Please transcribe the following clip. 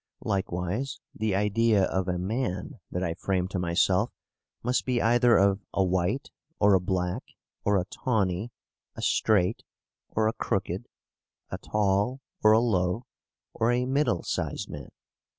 Likewise the idea of a man that I frame to myself must be either of a white, or a black, or a tawny, a straight, or a crooked, a tall, or a low, or a middle sized man.